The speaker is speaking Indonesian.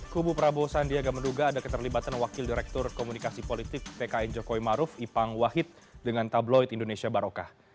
kubu prabowo sandiaga menduga ada keterlibatan wakil direktur komunikasi politik tkn jokowi maruf ipang wahid dengan tabloid indonesia barokah